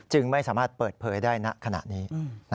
ไม่สามารถเปิดเผยได้ณขณะนี้